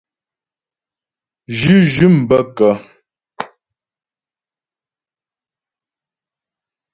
Zhʉ́zhʉ̂m bə́ kə́ ?